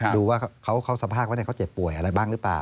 ดูว่าเขาสภาพว่าเขาเจ็บป่วยอะไรบ้างหรือเปล่า